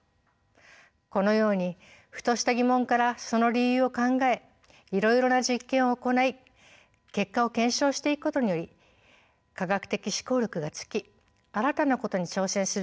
このようにふとした疑問からその理由を考えいろいろな実験を行い結果を検証していくことにより科学的思考力がつき新たなことに挑戦するようになるのです。